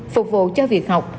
phục vụ cho việc học